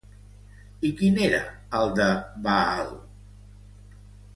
I quin era el de Baal?